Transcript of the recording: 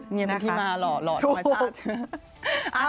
เงียบที่มาหล่อหล่อธรรมชาติ